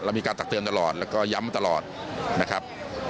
มีการตักเตือนตลอดแล้วก็ย้ำมาตลอดนะครับ